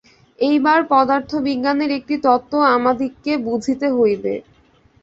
এইবার পদার্থবিজ্ঞানের একটি তত্ত্ব আমাদিগকে বুঝিতে হইবে।